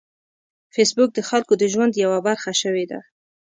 فېسبوک د خلکو د ژوند یوه برخه شوې ده